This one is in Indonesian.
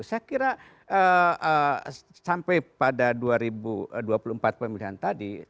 saya kira sampai pada dua ribu dua puluh empat pemilihan tadi